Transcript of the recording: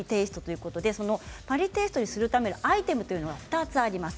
パリテーストにするためのアイテムというのが２つあります。